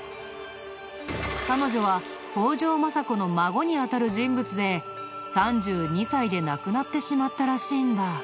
彼女は北条政子の孫に当たる人物で３２歳で亡くなってしまったらしいんだ。